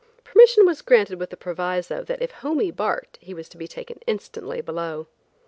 Permission was granted with a proviso that if "Homie" barked he was to be taken instantly below.